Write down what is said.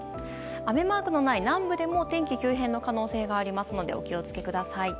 雨マークのない南部でも天気急変の可能性がありますのでお気を付けください。